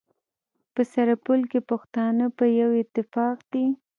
په سرپل کي پښتانه په يوه اتفاق دي.